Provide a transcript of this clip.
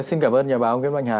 xin cảm ơn nhà báo nguyễn bạch hà